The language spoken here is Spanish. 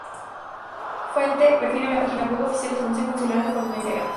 Fuente:Perfil en la Página Web Oficial del Consejo Insular de Formentera